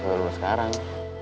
lo udah lo sekarang